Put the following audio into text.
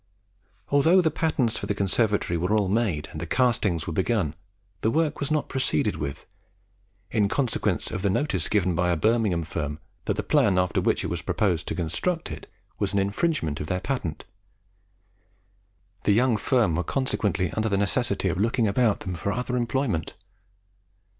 Although the patterns for the conservatory were all made, and the castings were begun, the work was not proceeded with, in consequence of the notice given by a Birmingham firm that the plan after which it was proposed to construct it was an infringement of their patent. The young firm were consequently under the necessity of looking about them for other employment.